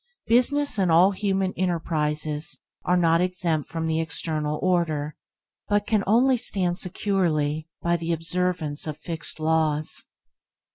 Business and all human enterprises are not exempt from the eternal order, but can only stand securely by the observance of fixed laws.